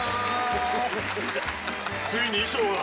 ついに衣装が！